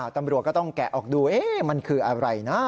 ตำรวจก็ต้องแกะออกดูมันคืออะไรนะ